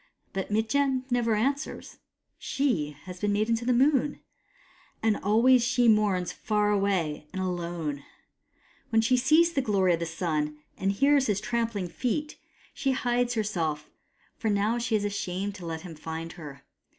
But Mitjen never answers. She has been made the Moon, and always she mourns far away and alone. WTien she sees the glory of the Sun, and hears his trampling feet, she S.A.B. H 114 HOW LIGHT CAME hides herself, for now she is ashamed to let him find her.